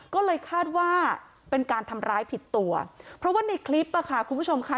ก็เลยคาดว่าเป็นการทำร้ายผิดตัวเพราะว่าในคลิปอ่ะค่ะคุณผู้ชมค่ะ